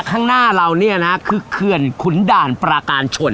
ข้างหน้าเราเนี่ยนะคือเขื่อนขุนด่านปราการชน